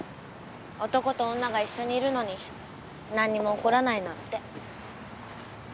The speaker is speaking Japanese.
男と女が一緒にいるのに何にも起こらないなんて。